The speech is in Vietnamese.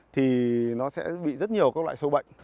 thì nó sẽ bị rất nhiều các loại sâu bệnh